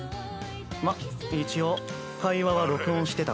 まっ一応会話は録音してたがな。